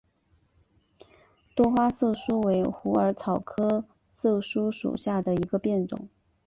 多花溲疏为虎耳草科溲疏属下的一个变种。